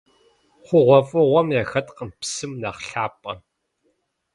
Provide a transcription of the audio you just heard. ХъугъуэфӀыгъуэм яхэткъым псым нэхъ лъапӀэ.